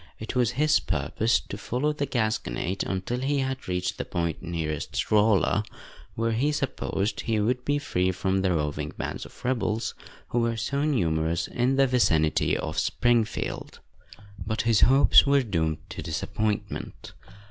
It was his purpose to follow the Gasconade until he had reached the point nearest Rolla, where he supposed he would be free from the roving bands of rebels, who were so numerous in the vicinity of Springfield. But his hopes were doomed to disappointment.